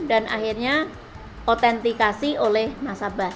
dan akhirnya otentikasi oleh nasabah